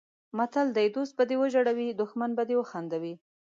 متل دی: دوست به دې وژړوي دښمن به دې وخندوي.